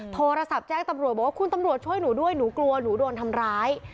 โทรศัพท์แจ้งตำรวจบอกว่าคุณตำรวจช่วยหนูด้วยหนูกลัวหนูโดนทำร้าย